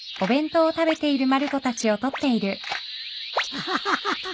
アハハハハ。